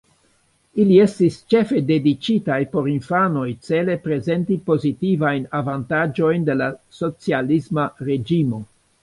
Ili estis ĉefe dediĉitaj por infanoj cele prezenti pozitivajn avantaĝojn de la socialisma reĝimo.